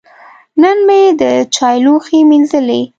نن مې د چای لوښی مینځلي.